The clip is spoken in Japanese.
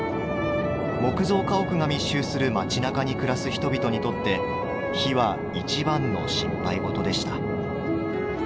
木造家屋が密集する町なかに暮らす人々にとって火はいちばんの心配事でした。